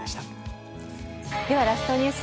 ではラストニュース。